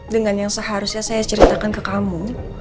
dengan yang seharusnya saya ceritakan ke kamu